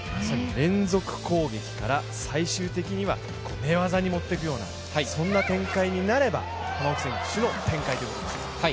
連続攻撃から最終的には寝技に持っていくような展開になれば玉置選手の展開ということでしょうか？